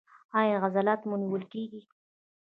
ایا عضلات مو نیول کیږي؟